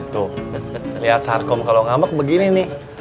tuh lihat sarkom kalau ngambak begini nih